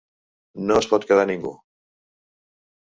No es pot quedar ningú.